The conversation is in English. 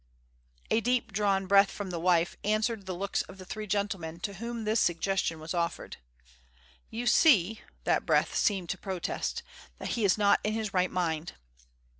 A deep drawn breath from the wife answered the looks of the three gentlemen to whom this suggestion was offered. "You see," that breath seemed to protest, "that he is not in his right mind."